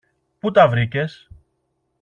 Πού τα βρήκες;